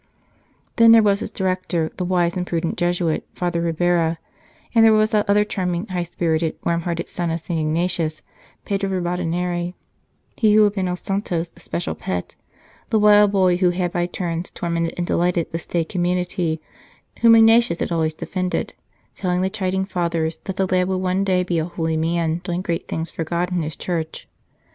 Then there was his director, the wise and prudent Jesuit, Father Ribera ; and there was that other charming, high spirited, warm hearted son of St. Ignatius, Pedro Ribadaneira, he who had been II Santo s special pet the wild boy who had by turns tormented and delighted the staid com munity whom Ignatius had always defended, telling the chiding Fathers that the lad would one day be a holy man doing great things for God and His Church.